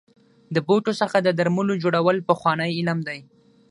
د بوټو څخه د درملو جوړول پخوانی علم دی.